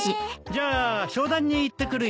じゃあ商談に行ってくるよ。